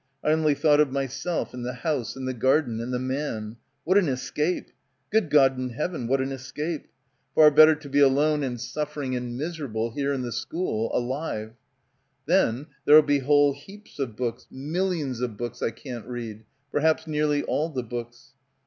I only thought of myself and the house and the garden and the man. What an escape! Good God in heaven, what an escape ! Far better to be alone — 180 — BACKWATER and suffering and miserable here in the school, alive. ... Then there'll be whole heaps of books, millions of books I can't read — perhaps nearly all the books.